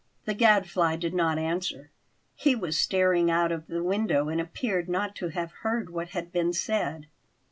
The Gadfly did not answer. He was staring out of the window and appeared not to have heard what had been said.